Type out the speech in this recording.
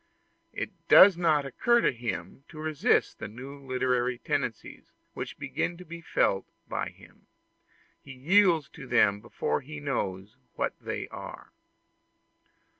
It does not occur to him to resist the new literary tendencies which begin to be felt by him; he yields to them before he knows what they are.